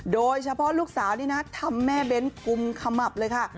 โดยเฉพาะลูกสาวนี่นะทำแม่เบ้นกุมขมับเลยค่ะ